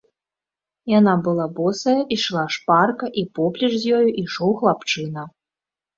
Яна была босая, ішла шпарка, і поплеч з ёю ішоў хлапчына.